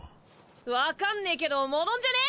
わかんねぇけど戻んじゃね？